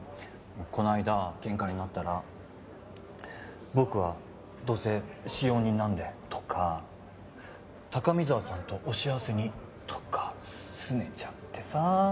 この間喧嘩になったら「僕はどうせ使用人なんで」とか「高見沢さんとお幸せに」とかすねちゃってさ。